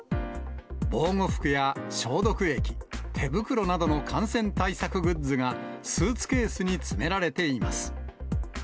防護服や消毒液、手袋などの感染対策グッズが、スーツケースに詰められています。